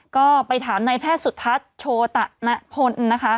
ก็ไปถามนายแพทย์สุทัศน์โชตะนพลนะคะ